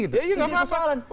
ya ya nggak masalah